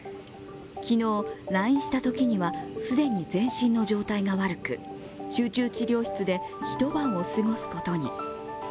昨日来院したときには、既に全身の状態が悪く、集中治療室で一晩を過ごすことに。